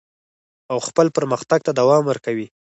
او خپل پرمختګ ته دوام ورکوي.